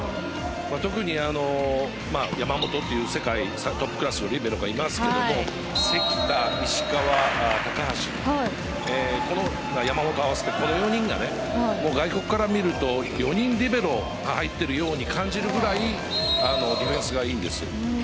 特に山本という世界トップクラスのリベロがいますけど関田、石川、高橋山本合わせてこの４人が外国から見ると４人リベロが入ってるように感じるくらいディフェンスがいいんです。